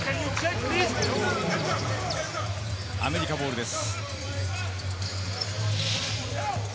アメリカボールです。